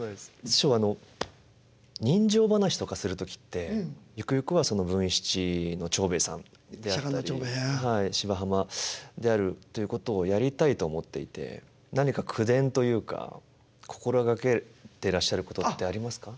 師匠あの人情噺とかする時ってゆくゆくは「文七」の長兵衛さんであったり「芝浜」であるっていうことをやりたいと思っていて何か口伝というか心掛けてらっしゃることってありますか？